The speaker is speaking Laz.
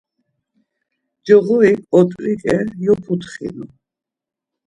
Coxorik ot̆riǩe yoputxinu.